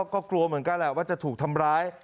ก็กลัวเหมือนกันแหละว่าจะถูกทำร้าย